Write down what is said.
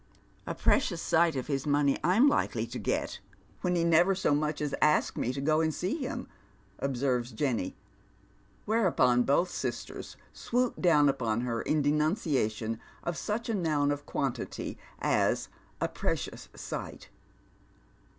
"■' A precious sight of his money I'm likely to get, when he never so much as asks me to go and see him," observes Jenny whereupon both sisters swoop down upon her in denunciation of such a noun of quantity as " a precious sight."